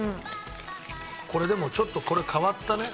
これでもちょっとこれ変わったね。